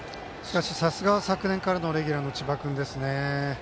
さすがは、昨年からのレギュラーの千葉君ですね。